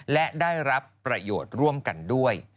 และได้รับประโยชน์ร่วมกันด้วย